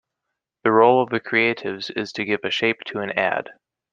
The role of the creatives is to give a shape to an ad.